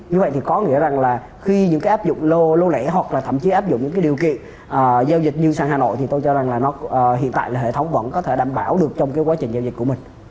như vậy thì có nghĩa rằng là khi những cái áp dụng lô lễ hoặc là thậm chí áp dụng những cái điều kiện giao dịch như sàn hnx thì tôi cho rằng là hiện tại là hệ thống vẫn có thể đảm bảo được trong cái quá trình giao dịch của mình